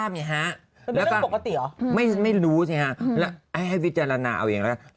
เป็นเรื่องปกติหรอไม่รู้ใช่ไหมฮะให้วิจารณาเอาอย่างนี้